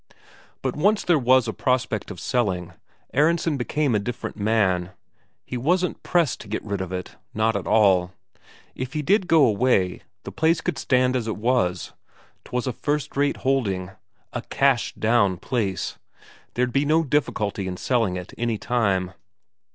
But once there was a prospect of selling, Aronsen became a different man; he wasn't pressed to get rid of it, not at all. If he did go away, the place could stand as it was; 'twas a first rate holding, a "cash down" place, there'd be no difficulty in selling it any time.